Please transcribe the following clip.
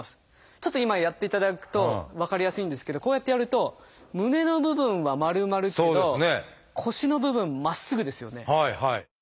ちょっと今やっていただくと分かりやすいんですけどこうやってやると胸の部分は丸まるけど腰の部分まっすぐですよね。